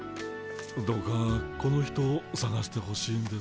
どうかこの人をさがしてほしいんです。